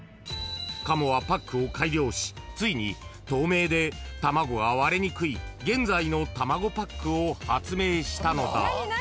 ［加茂はパックを改良しついに透明で卵が割れにくい現在のたまごパックを発明したのだ］